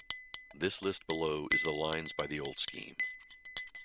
This list below is the lines by the old scheme.